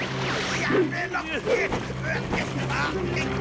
やめろ！